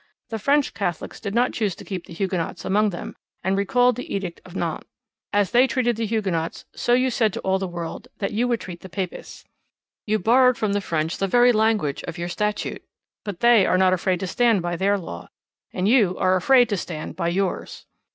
The French Catholics did not choose to keep the Hugonots among them, and recalled the Edict of Nantes. As they treated the Hugonots, so you said to all the world that you would treat the Papists. You borrowed from the French the very language of your Statute, but they are not afraid to stand by their law, and you are afraid to stand by yours.